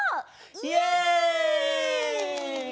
イエイ！